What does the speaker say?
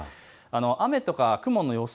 雨とか雲の予想